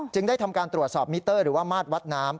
ได้ทำการตรวจสอบมิเตอร์หรือว่ามาดวัดน้ำ